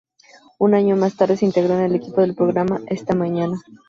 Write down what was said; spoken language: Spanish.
Un año más tarde se integró en el equipo del programa "Esta mañana".